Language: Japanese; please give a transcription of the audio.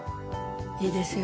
いいですよ